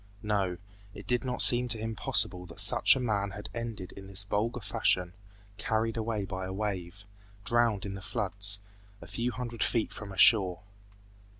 No, it did not seem to him possible that such a man had ended in this vulgar fashion, carried away by a wave, drowned in the floods, a few hundred feet from a shore.